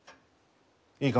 いいか？